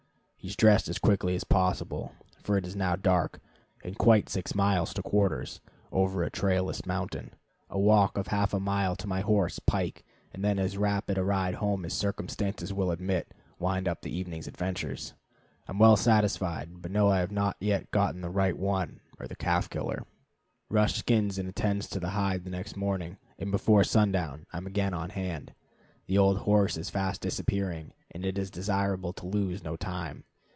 He is dressed as quickly as possible, for it is now dark, and quite six miles to quarters, over a trailless mountain. A walk of half a mile to my horse Pike, and then as rapid a ride home as circumstances will admit, wind up the evening's adventures. I am well satisfied, but know I have not yet gotten the right one, the "calf killer." Rush skins and attends to the hide the next morning, and before sundown I am again on hand. The old horse is fast disappearing, and it is desirable to lose no time.